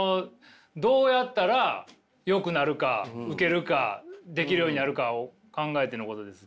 どうやったらよくなるかウケるかできるようになるかを考えてのことです。